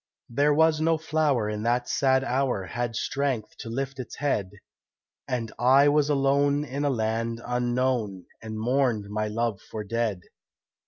There was no flower in that sad hour Had strength to lift its head, And I was alone in a land unknown And mourned my love for dead.